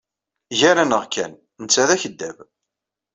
Gar-aneɣ kan, netta d akeddab.